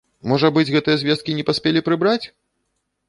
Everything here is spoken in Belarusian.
Можа быць, гэтыя звесткі не паспелі прыбраць?